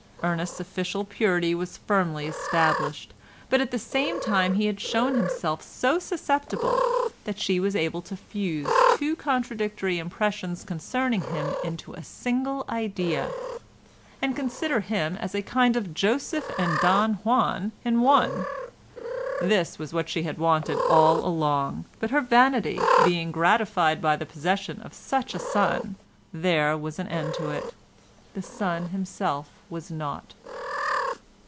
Ernest's official purity was firmly established, but at the same time he had shown himself so susceptible that she was able to fuse two contradictory impressions concerning him into a single idea, and consider him as a kind of Joseph and Don Juan in one. This was what she had wanted all along, but her vanity being gratified by the possession of such a son, there was an end of it; the son himself was naught.